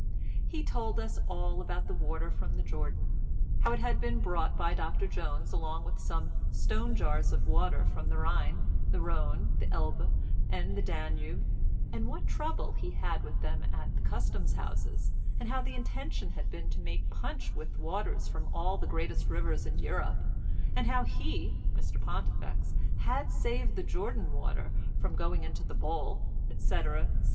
He told us all about the water from the Jordan; how it had been brought by Dr Jones along with some stone jars of water from the Rhine, the Rhone, the Elbe and the Danube, and what trouble he had had with them at the Custom Houses, and how the intention had been to make punch with waters from all the greatest rivers in Europe; and how he, Mr Pontifex, had saved the Jordan water from going into the bowl, etc., etc.